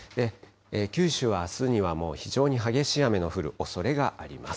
九州はあすにはもう非常に激しい雨の降るおそれがあります。